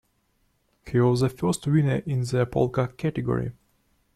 He was the first winner in the Polka category.